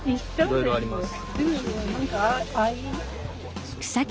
いろいろあります。